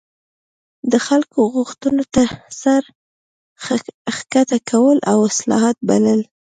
د خلکو غوښتنو ته سر ښکته کول او اصلاحات بلل.